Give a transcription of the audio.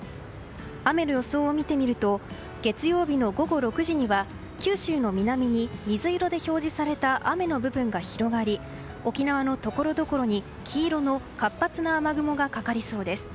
雨の予想を見てみると月曜日の午後６時には九州の南に水色で表示された雨の部分が広がり沖縄のところどころに黄色の活発な雨雲がかかりそうです。